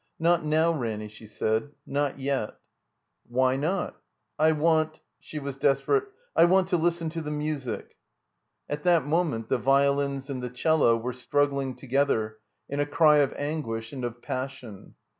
''Not now, Ranny," she said. *'Not yet." ''Why not?" "I want" — she was desperate — "I want to listen to the music." At that moment the violins and the cello were struggling together in a cry of anguish and of passion.